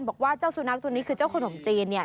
บอกว่าเจ้าสุนัขตัวนี้คือเจ้าขนมจีนเนี่ย